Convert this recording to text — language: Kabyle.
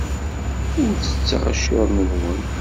Ur ttettet accaren-nwen.